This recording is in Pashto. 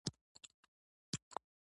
پسه په ژمي کې له سړو وساتل شي.